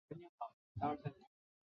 光绪二十六年出督福建学政。